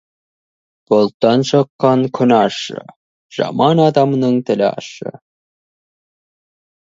Бұлттан шыққан күн ащы, жаман адамның тілі ащы.